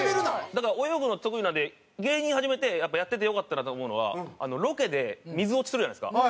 だから泳ぐの得意なんで芸人始めてやっぱやっててよかったなと思うのはロケで水落ちするじゃないですか。